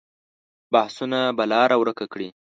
بحثونه به لاره ورکه کړي.